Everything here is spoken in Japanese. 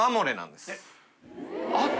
あっ！